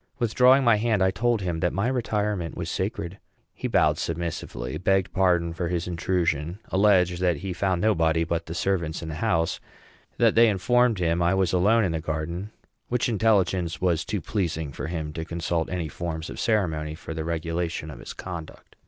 Withdrawing my hand, I told him that my retirement was sacred. He bowed submissively; begged pardon for his intrusion; alleged that he found nobody but the servants in the house; that they informed him I was alone in the garden which intelligence was too pleasing for him to consult any forms of ceremony for the regulation of his conduct.